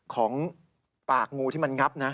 ของปากงูที่มันงับนะ